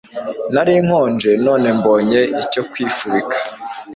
nari nkonje none mbonye icyo kwifubika